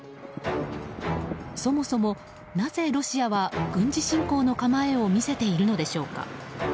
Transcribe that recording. そもそも、なぜロシアは軍事侵攻の構えを見せているのでしょうか。